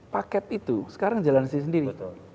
paket itu sekarang jalan sendiri sendiri